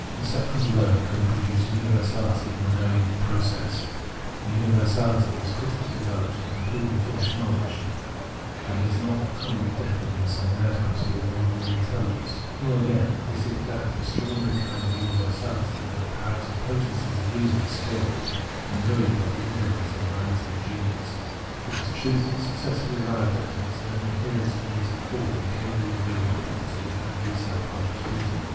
Conceptions alone can produce universahty in the knowing process. This vmiversality is critically 70 Phenomenology of Mind developed and completely finished knowledge, and not the common indefiniteness and inadequacy of ordinary intelligence ; nor, again, is it that extraordinary kind of universahty where the powers and potencies of reason are spoiled and ruined by the indolence and vanity of genius ; it is truth successfully arrived at its own inherent native form, and capable of being the property of every self conscious reason.